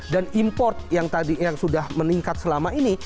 dan import yang sudah meningkat selama ini